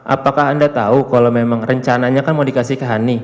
apakah anda tahu kalau memang rencananya kan mau dikasih ke hani